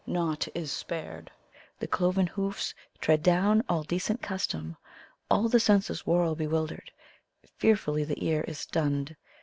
Naught is spared! The cloven hoofs tread down all decent custom; All the senses whirl bewildered, fearfully the ear is stunned.